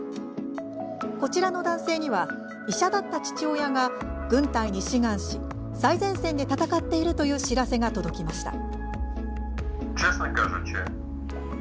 こちらの男性には医者だった父親が軍隊に志願し最前線で戦っているという知らせが届きました。